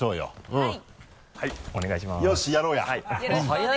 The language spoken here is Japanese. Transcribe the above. うん。